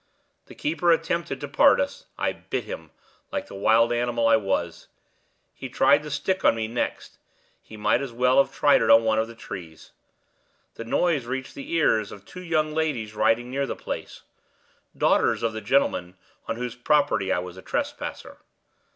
The keeper attempted to part us; I bit him, like the wild animal I was. He tried the stick on me next; he might as well have tried it on one of the trees. The noise reached the ears of two young ladies riding near the place daughters of the gentleman on whose property I was a trespasser.